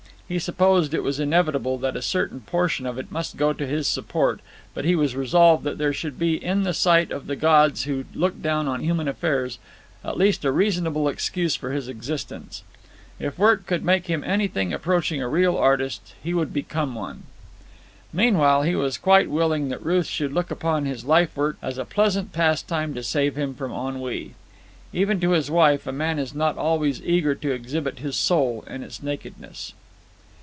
He supposed it was inevitable that a certain portion of it must go to his support, but he was resolved that there should be in the sight of the gods who look down on human affairs at least a reasonable excuse for his existence. If work could make him anything approaching a real artist, he would become one. Meanwhile he was quite willing that Ruth should look upon his life work as a pleasant pastime to save him from ennui. Even to his wife a man is not always eager to exhibit his soul in its nakedness.